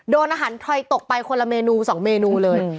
โดนอาหารทอยตกไปคนละเมนู๒เมนูเลย